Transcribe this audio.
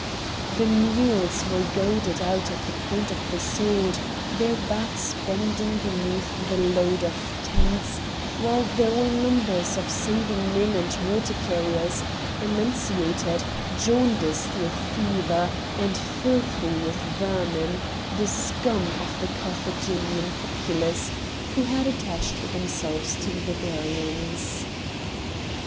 The mules were goaded out at the point of the sword, their backs bending beneath the load of tents, while there were numbers of serving men and water carriers, emaciated, jaundiced with fever, and filthy with vermin, the scum of the Carthaginian populace, who had attached themselves to the Barbarians.